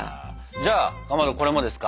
じゃあかまどこれもですか？